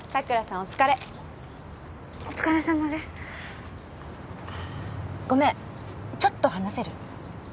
お疲れお疲れさまですあごめんちょっと話せる？